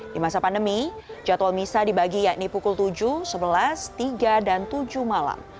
di masa pandemi jadwal misa dibagi yakni pukul tujuh sebelas tiga dan tujuh malam